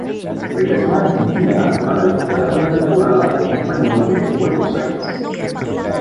Regresó a Argentina para disputar una temporada en Español de Buenos Aires.